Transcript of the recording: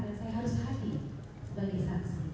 dan saya harus hati sebagai saksi